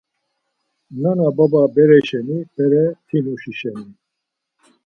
Nana-baba bere şeni, bere timuşi şeni.